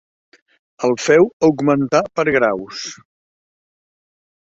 El feu augmentar per graus.